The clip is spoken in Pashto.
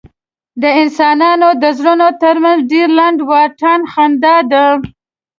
د انسانانو د زړونو تر منځ ډېر لنډ واټن خندا ده.